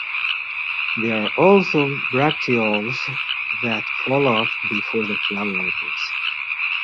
There are also bracteoles that fall off before the flower opens.